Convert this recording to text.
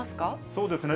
そうですね。